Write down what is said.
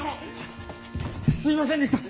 すいませんでしたッ。